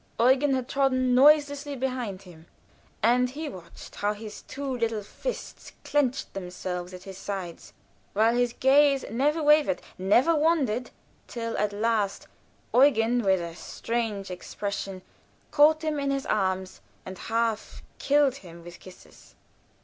Eugen had trodden noiselessly behind him; I watched, and he watched, how his two little fists clinched themselves at his sides, while his gaze never wavered, never wandered, till at last Eugen, with a strange expression, caught him in his arms and half killed him with kisses.